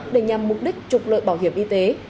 để nhằm mục đích trục lợi bảo hiểm y tế